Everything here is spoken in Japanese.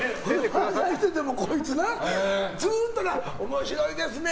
漫才しててもこいつなずっと面白いですね